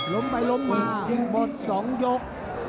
ล้มไปล้มมาบทสองยก